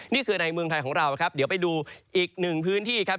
นี่คือในเมืองไทยของเราครับเดี๋ยวไปดูอีกหนึ่งพื้นที่ครับ